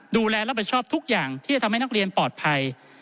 ดูแลรับผิดชอบทุกอย่างที่จะทำให้นักเรียนปลอดภัย